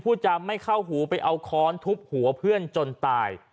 จำไม่เข้าหูไปเอาค้อนทุบหัวเพื่อนจนตาย